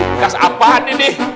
bukas apaan ini